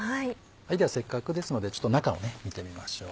ではせっかくですのでちょっと中を見てみましょう。